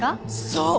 そう！